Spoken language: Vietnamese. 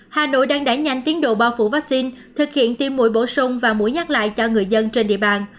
hà nội đang đẩy nhanh tiến độ bao phủ vaccine thực hiện tiêm mũi bổ sung và mũi nhắc lại cho người dân trên địa bàn